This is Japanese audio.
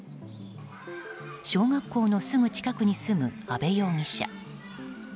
小学校のすぐ近くに住む阿部容疑者。